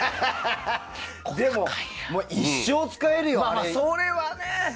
でも、一生使えるよあれ。